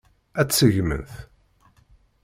Ad tt-seggment?